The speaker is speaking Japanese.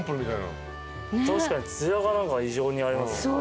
確かにつやが異常にありますね。